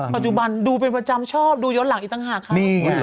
ปัจจุบันดูเป็นประจำชอบดูย้อนหลังอีกต่างหากครับ